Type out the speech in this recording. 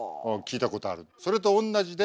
それと同じで。